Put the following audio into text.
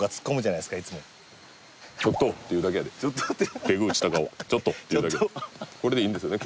「ちょっと！」って言うだけやで「ちょっと」「ペグ打ち孝雄」「ちょっと！」って言うだけこれでいいんですよね？